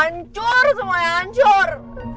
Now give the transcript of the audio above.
ancur semuanya hancur